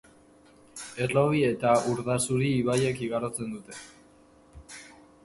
Errobi eta Urdazuri ibaiek igarotzen dute.